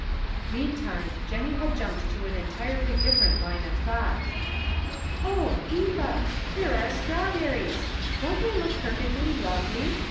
Meantime Jennie had jumped to an entirely different line of thought. " Oh, Eva ! here are strawberries ! Don't they look perfectly lovely?